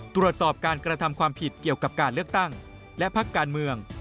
ตรวจสอบการกระทำความผิดเกี่ยวกับการเลือกตั้งและพักการเมือง